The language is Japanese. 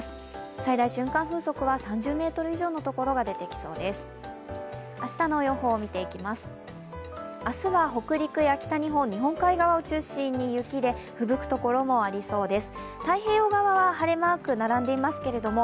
最大瞬間風速は３０ｍ以上のところが出てきそうです。